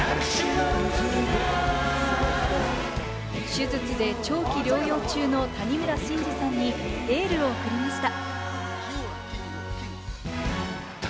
手術で長期療養中の谷村新司さんにエールを送りました。